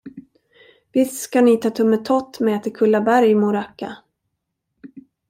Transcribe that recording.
Visst ska ni ta Tummetott med till Kullaberg, mor Akka.